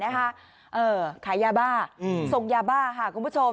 เอ่อขายาบทรงยาบคุณผู้ชม